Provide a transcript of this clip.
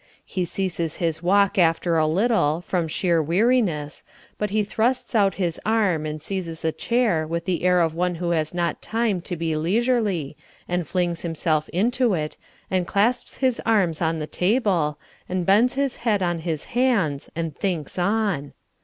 He ceases his walk after a little, from sheer weariness, but he thrusts out his arm and seizes a chair with the air of one who has not time to be leisurely, and flings himself into it, and clasps his arms on the table, and bends his head on his hands and thinks on.